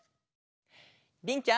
りんちゃん。